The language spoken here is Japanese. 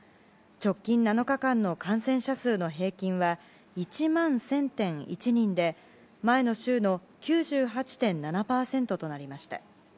直近７日間の感染者数の平均は１万１０００．１人で前の週の９８．７％となりました。